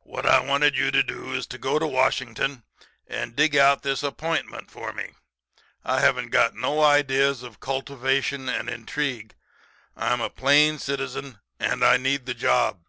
'What I wanted you to do is to go to Washington and dig out this appointment for me. I haven't no ideas of cultivation and intrigue. I'm a plain citizen and I need the job.